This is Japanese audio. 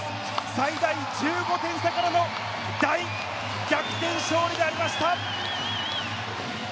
最大１５点差からの大逆転勝利でありました！